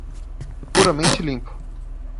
Puramente limpo